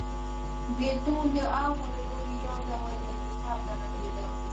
بېلتون د عوامو له لوري یو ډول اعتصاب ګڼل کېده